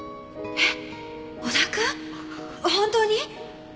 えっ？